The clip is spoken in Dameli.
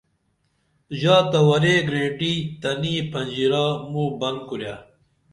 ژا تہ واری گرینٹی تنی پنژِرا موں بن کُرے